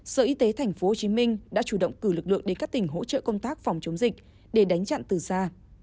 sở y tế tp hcm đã chủ động cử lực lượng đến các tỉnh hỗ trợ công tác phòng chống dịch để đánh chặn từ xa